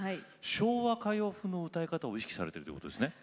昭和歌謡風の歌い方を意識されてるってことですね。